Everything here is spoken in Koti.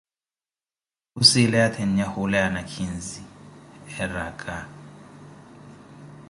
Khusileya thennhya hula ya nakhinzi, araka.